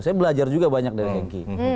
saya belajar juga banyak dari hengki